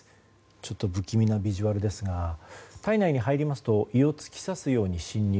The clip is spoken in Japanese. ちょっと不気味なビジュアルですが体内に入りますと胃を突き刺すように侵入。